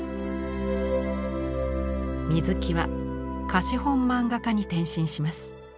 水木は貸本漫画家に転身します。